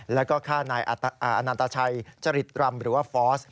แล้วก็ฆ่านายอนันตชัยจริตรำหรือว่าฟอส